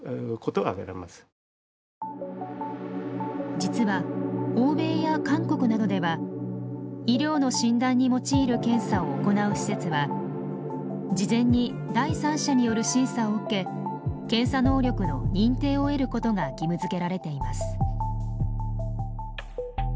実は欧米や韓国などでは医療の診断に用いる検査を行う施設は事前に第三者による審査を受け検査能力の認定を得ることが義務づけられています。